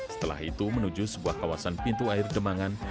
setelah itu menuju sebuah kawasan pintu air demangan